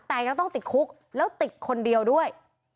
แต่ยังต้องติดคุกแล้วติดคนเดียวด้วย